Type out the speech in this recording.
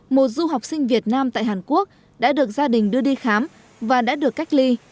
một du học sinh việt nam tại hàn quốc đã được gia đình đưa đi khám và đã được cách ly